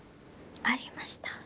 ありました？